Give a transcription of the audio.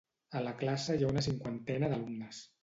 A la classe hi ha una cinquantena d'alumnes.